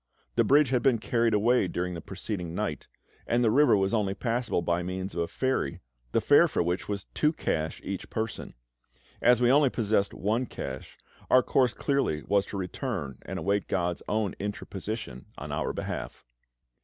The bridge had been carried away during the preceding night, and the river was only passable by means of a ferry, the fare for which was two cash each person. As we only possessed one cash, our course clearly was to return and await GOD'S own interposition on our behalf.